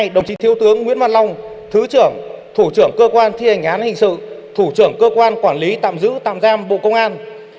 đồng chí thiếu tướng nguyễn văn long thứ trưởng thủ trưởng cơ quan thi hành án hình sự thủ trưởng cơ quan quản lý tạm giữ tạm giam bộ công an